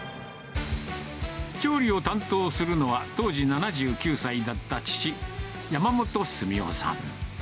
調理を担当するのは、当時７９歳だった父、山本純夫さん。